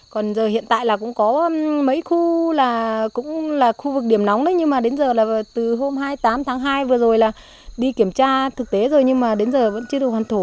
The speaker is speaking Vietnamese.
còn giờ hiện tại là cũng có mấy khu là cũng là khu vực điểm nóng đấy nhưng mà đến giờ là từ hôm hai mươi tám tháng hai vừa rồi là đi kiểm tra thực tế rồi nhưng mà đến giờ vẫn chưa được hoàn thổ